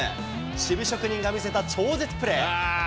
守備職人が見せた超絶プレー。